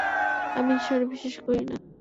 আমি ঈশ্বরে বিশ্বাস করি না।